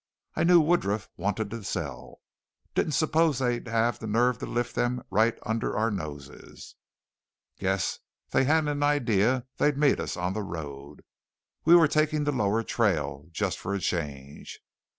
I knew Woodruff wanted to sell. Didn't suppose they'd have the nerve to lift them right under our noses. Guess they hadn't an idea they'd meet us on the road. We were taking the lower trail just for a change.